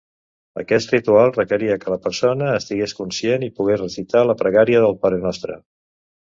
Aquest ritual requeria que la persona estigués conscient i pogués recitar la pregària del Parenostre.